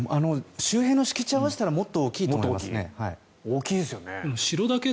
周辺の敷地を合わせたらもっと大きいと思いますけど。